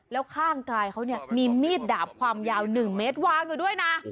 แล้วข้างกายเขาเนี่ยมีมีดดาบความยาว๑เมตรวางอยู่ด้วยนะ